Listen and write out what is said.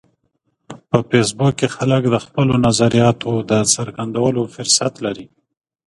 په فېسبوک کې خلک د خپلو نظریاتو د څرګندولو فرصت لري